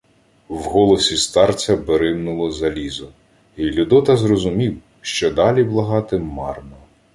В голосі старця бримнуло залізо, й Людота зрозумів, що далі благати марно.